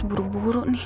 kok belum ketemu juga ya